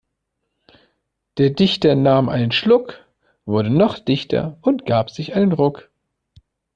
Der Dichter nahm einen Schluck, wurde noch dichter und gab sich einen Ruck.